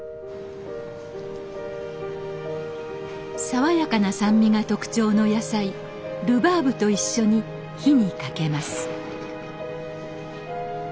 爽やかな酸味が特徴の野菜ルバーブと一緒に火にかけます。